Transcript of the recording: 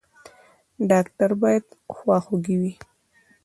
ډاکټر باید خواخوږی وي